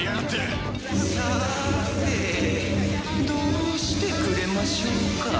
さてどうしてくれましょうか？